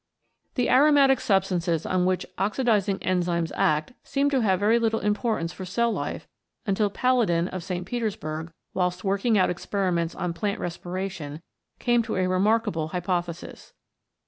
The aromatic substances on which oxidising enzymes act seemed to have very little importance for cell life until Palladin, of St. Petersburg, whilst working out experiments on plant respiration, came to a remarkable hypothesis.